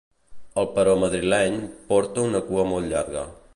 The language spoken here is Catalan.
El però madrileny porta una cua molt llarga.